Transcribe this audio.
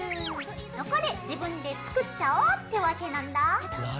そこで自分で作っちゃおうってわけなんだぁ。